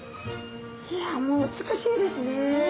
いやもう美しいですね。